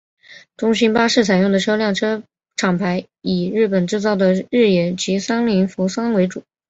中兴巴士采用的车辆厂牌以日本制造的日野及三菱扶桑为主。